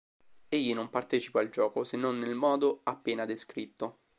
Egli non partecipa al gioco se non nel modo appena descritto.